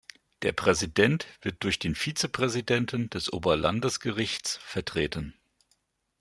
Der Präsident wird durch den Vizepräsidenten des Oberlandesgerichts vertreten.